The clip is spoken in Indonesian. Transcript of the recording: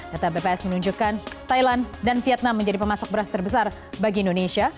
data bps menunjukkan thailand dan vietnam menjadi pemasok beras terbesar bagi indonesia